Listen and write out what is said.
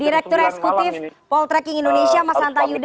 direktur eksekutif poltreking indonesia mas anta yuda